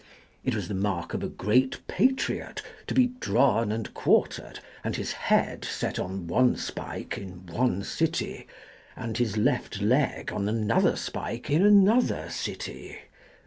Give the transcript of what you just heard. It was the mark of a great patriot to be drawn and quartered and his head set on one spike in one city and his left leg on an other spike in another city.